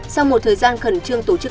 sau một thời gian khẩn trương tổ chức